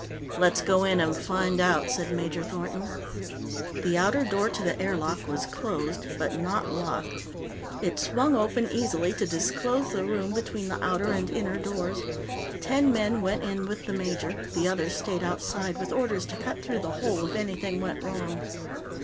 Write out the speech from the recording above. "Let's go in and find out," said Major Thornton. The outer door to the air lock was closed, but not locked. It swung open easily to disclose the room between the outer and inner doors. Ten men went in with the major, the others stayed outside with orders to cut through the hull if anything went wrong.